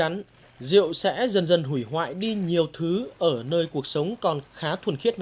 người uống rượu đâu có sống là chết hết